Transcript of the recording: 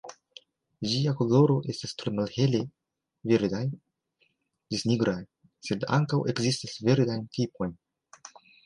Ĝia koloro estas tre malhele verdaj ĝis nigraj, sed ankaŭ ekzistas verdajn tipojn.